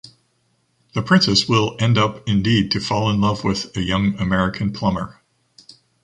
The princess will end up indeed to fall in love with a young American plumber.